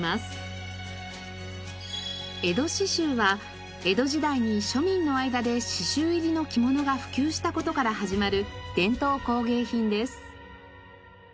江戸刺繍は江戸時代に庶民の間で刺繍入りの着物が普及した事から始まる伝統工芸品です。